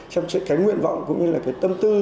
trong cái nguyện vọng cũng như là cái tâm tư